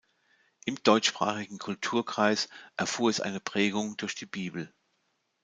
Im deutschsprachigen Kulturkreis erfuhr es eine Prägung durch die Bibel.